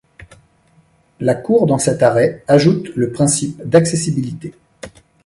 La cour dans cet arrêt ajoute le principe d’accessibilité.